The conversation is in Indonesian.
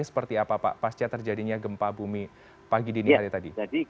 seperti apa pak pasca terjadinya gempa bumi pagi dini hari tadi